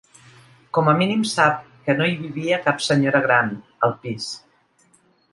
Com a mínim sap que no hi vivia cap senyora gran, al pis.